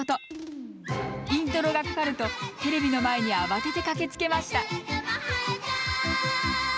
イントロがかかるとテレビの前に慌てて駆けつけました。